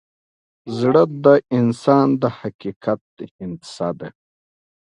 زړه د انسان د حقیقت هندسه ده.